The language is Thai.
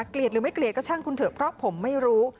หรือไม่เกลียดก็ช่างคุณเถอะเพราะผมไม่รู้